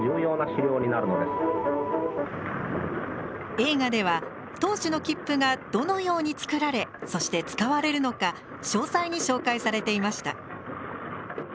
映画では当時の切符がどのように作られそして使われるのか詳細に紹介されていました。